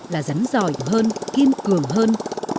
là rắn giỏi hơn kiên cường hơn